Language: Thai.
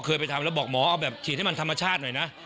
เคยไปทำแล้วบอกหมอเอาแบบฉีดให้มันธรรมชาติหน่อยนะ